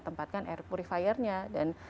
tempatkan air purifiernya